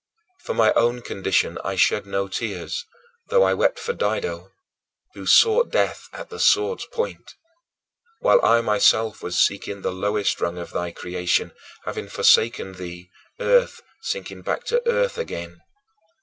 For my own condition I shed no tears, though I wept for Dido, who "sought death at the sword's point," while I myself was seeking the lowest rung of thy creation, having forsaken thee; earth sinking back to earth again.